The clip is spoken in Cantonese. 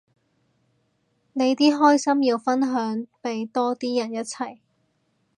你啲開心要分享俾多啲人一齊